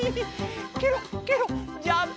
ケロッケロッジャンプ！